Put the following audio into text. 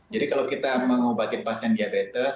jadi kalau kita mengubahkan pasien diabetes